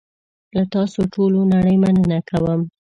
له تاسوټولونړۍ مننه کوم .